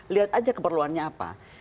lihat aja keperluannya apa